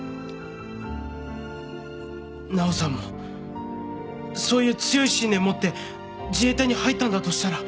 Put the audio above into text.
奈央さんもそういう強い信念持って自衛隊に入ったんだとしたら。